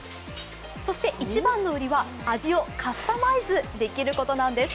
そして一番の売りは味をカスタマイズできることなんです。